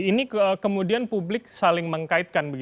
ini kemudian publik saling mengkaitkan